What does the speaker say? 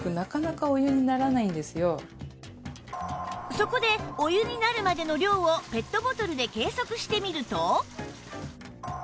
そこでお湯になるまでの量をペットボトルで計測してみると